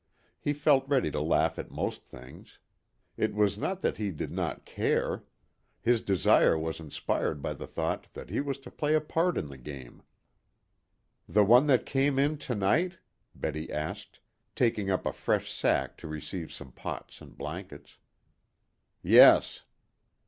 He felt ready to laugh at most things. It was not that he did not care. His desire was inspired by the thought that he was to play a part in the "game." "The one that came in to night?" Betty asked, taking up a fresh sack to receive some pots and blankets. "Yes."